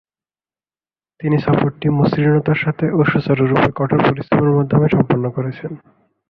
তিনি সফরটি মসৃণতার সাথে ও সুচারুরূপে কঠোর পরিশ্রমের মাধ্যমে সম্পন্ন করেছেন।